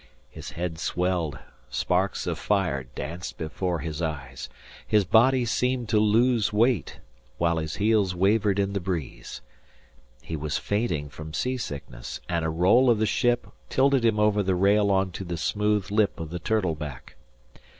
His head swelled; sparks of fire danced before his eyes; his body seemed to lose weight, while his heels wavered in the breeze. He was fainting from seasickness, and a roll of the ship tilted him over the rail on to the smooth lip of the turtle back.